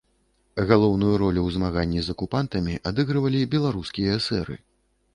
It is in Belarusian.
Галоўную ролю ў змаганні з акупантамі адыгрывалі беларускія эсэры.